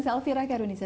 saya alfira ke indonesia